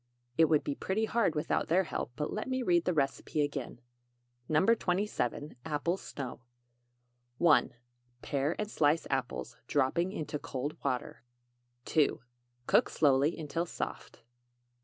It would be pretty hard without their help; but let me read the recipe again: NO. 27. APPLE SNOW. 1. Pare and slice apples, dropping into cold water. 2. Cook slowly until soft.